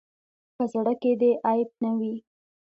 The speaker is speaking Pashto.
په زړۀ کې دې عیب نه وي.